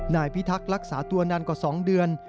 พิทักษ์รักษาตัวนานกว่า๒เดือน